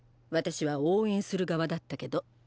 私は応援する側だったけど。